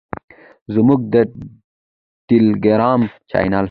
زموږ د ټیلیګرام چینل